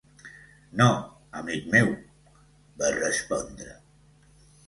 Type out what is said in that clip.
"No, amic meu", va respondre.